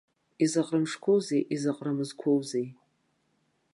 Изаҟара мышқәоузеи, изаҟара мызқәоузеи.